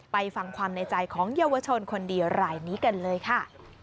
ไปฟังความในใจของเยาวชนคนดีรายนี้กันเลยค่ะ